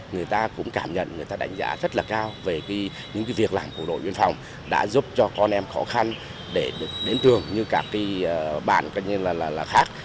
người ta cũng cảm nhận người ta đánh giá rất là cao về những việc làm của bộ đội biên phòng đã giúp cho con em khó khăn để đến trường như các bạn khác